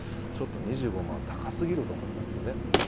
ちょっと２５万は高すぎると思ったんですよね